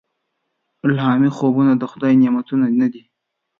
الهامي خوبونه د خدای نعمتونه دي.